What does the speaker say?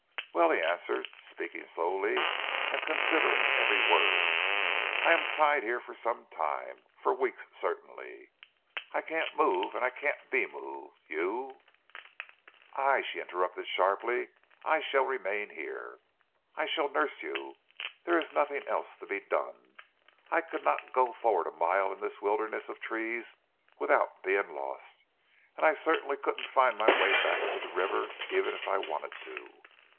"Well," he answered, speaking slowly and considering every word, "I am tied here for some time for weeks certainly. I can't move and I can't be moved. You " "I!" she interrupted sharply. "I shall remain here. I shall nurse you. There is nothing else to be done. I could not go forward a mile in this wilderness of trees without being lost; and I certainly couldn't find my way back to the river even if I wanted to."